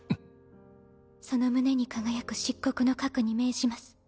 その胸に輝く漆黒の核に命じます。